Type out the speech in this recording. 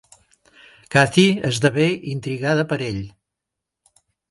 Cathy esdevé intrigada per ell.